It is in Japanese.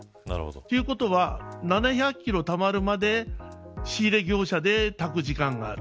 ということは７００キロたまるまで仕入れ業者で炊く時間がある。